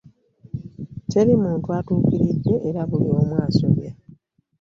Teri muntu atuukiridde era buli omu asobya.